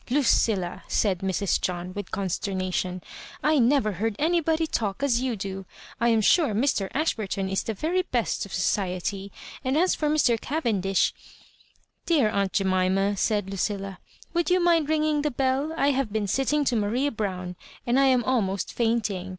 " Lucilla^" said Mrs. John, with consternation, " I never heard anybody talk as you do ; I am sure Mr. Ashburton is the very best of society, and as for Mr. Cavendish " "Dear aunt Jemima," said Lucilla, "would you mind ringing the bell? I have been sitting to Maria Brown, and I am almost fainting.